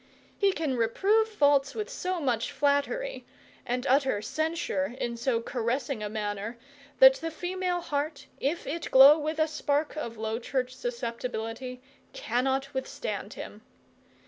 He can reprove faults with so much flattery, and utter censure in so caressing a manner, that the female heart, if it glow with a spark of low church susceptibility, cannot withstand him.